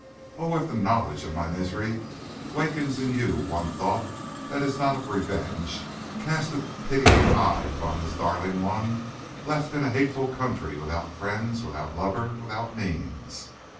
Oh, if the knowledge of my misery wakens in you one thought that is not of revenge, cast a pitying eye upon this darling one, left in a hateful country without friends, without lover, without means.